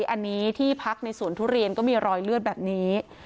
อันนี้ที่พักในสวนทุเรียนก็มีรอยเลือดแบบนี้